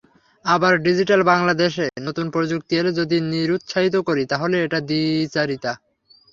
আবার ডিজিটাল বাংলাদেশে নতুন প্রযুক্তি এলে যদি নিরুৎসাহিত করি, তাহলে এটা দ্বিচারিতা।